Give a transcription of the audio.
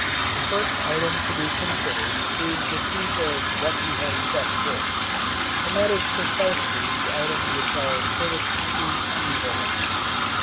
The first item to be considered is the truth of what we have set forth. And that is precisely the item which our critics choose to evade.